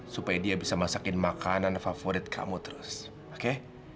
supaya dia bisa masakin makanan favorit kamu terus oke